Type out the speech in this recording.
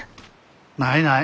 ないない。